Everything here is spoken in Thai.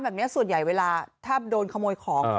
แบบนี้ส่วนใหญ่เวลาถ้าโดนขโมยของ